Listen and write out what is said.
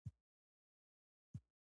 کیقباد خپل پلار بغرا خان ته مېلمستیا وکړه.